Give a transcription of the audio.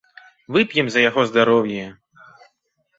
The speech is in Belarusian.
Вып'ем за яго здароўе!